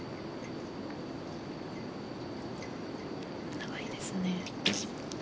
長いですね。